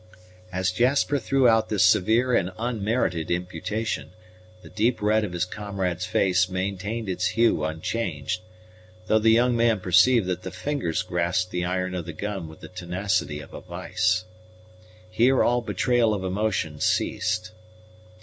As Jasper threw out this severe and unmerited imputation, the deep red of his comrade's face maintained its hue unchanged, though the young man perceived that the fingers grasped the iron of the gun with the tenacity of a vice. Here all betrayal of emotion ceased.